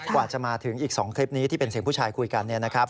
กว่าจะมาถึงอีก๒คลิปนี้ที่เป็นเสียงผู้ชายคุยกันเนี่ยนะครับ